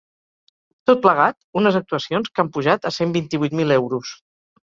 Tot plegat unes actuacions que han pujat a cent vint-i-vuit mil euros.